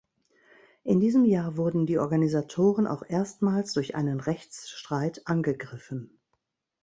In diesem Jahr wurden die Organisatoren auch erstmals durch einen Rechtsstreit angegriffen.